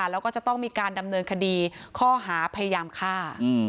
แล้วก็จะต้องมีการดำเนินคดีข้อหาพยายามฆ่า